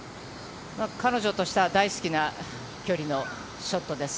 彼女としては大好きな距離のショットです。